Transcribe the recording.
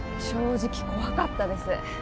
正直怖かったです